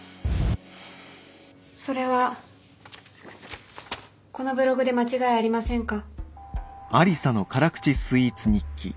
それはこのブログで間違いありませんか？